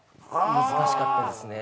難しかったですね。